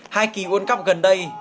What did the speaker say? hai kỳ world cup gần đây